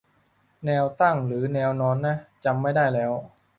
แนวตั้งหรือแนวนอนนะ จำไม่ได้แล้ว